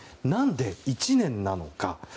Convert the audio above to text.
何で１年なのか。